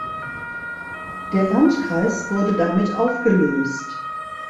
Der Landkreis wurde damit aufgelöst.